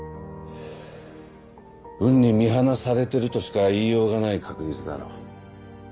運に見放されてるとしか言いようがない確率だろ。